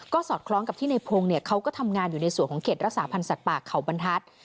สอดคล้องกับที่ในพงศ์เขาก็ทำงานอยู่ในส่วนของเขตรักษาพันธ์สัตว์ป่าเขาบรรทัศน์